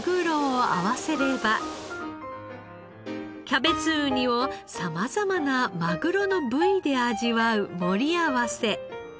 キャベツウニを様々なマグロの部位で味わう盛り合わせ。